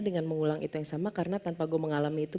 dengan mengulang itu yang sama karena tanpa gue mengalami itu